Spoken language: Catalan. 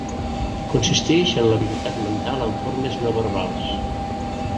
Consistix en l'habilitat mental amb formes no verbals.